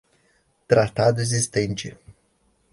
Tratado existente